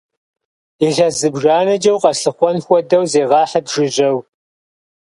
Илъэс зыбжанэкӏэ укъэслъыхъуэн хуэдэу зегъэхьыт жыжьэу!